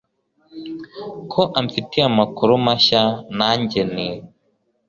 ko amfitiye amakuru mashya nanjye nti